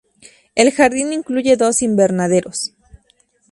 El jardín incluye dos invernaderos.